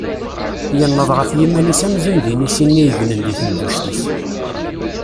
Yenneḍ ɣef yiman-is amzun d inisi-nni yegnen di temduct-is.